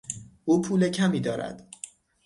او پول کمی دارد.